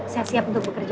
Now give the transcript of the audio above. saya siap untuk bekerja